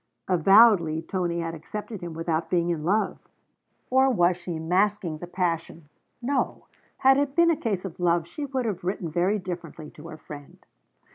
Avowedly Tony had accepted him without being in love. Or was she masking the passion? No: had it been a case of love, she would have written very differently to her friend.